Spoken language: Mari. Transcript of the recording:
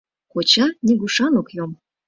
— Коча нигушан ок йом...